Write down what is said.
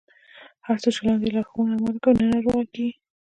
هر څوک چې په لاندې لارښوونو عمل وکړي نه ناروغه کیږي.